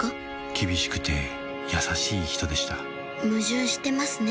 厳しくて優しい人でした矛盾してますね